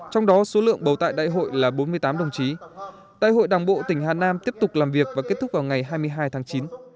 trong đó số lượng bầu tại đại hội là bốn mươi tám đồng chí đại hội đảng bộ tỉnh hà nam tiếp tục làm việc và kết thúc vào ngày hai mươi hai tháng chín